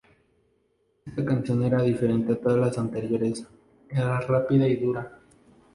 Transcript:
Esta canción era diferente a todas la anteriores, era rápida y dura.